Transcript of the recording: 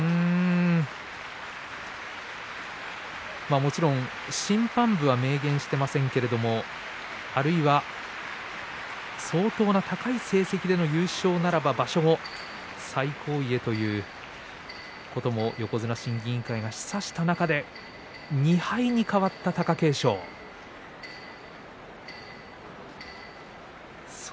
もちろん審判部は明言していませんがあるいは相当な高い成績での優勝ならば場所後、最高位というそういうことを横綱審議委員会が示唆した中で２敗になりました、貴景勝です。